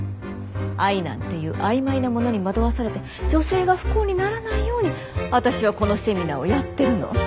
愛なんていう曖昧なものに惑わされて女性が不幸にならないように私はこのセミナーをやってるの。